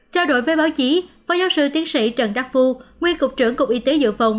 trao đổi với báo chí phó giáo sư tiến sĩ trần đắc phu nguyên cục trưởng cục y tế dự phòng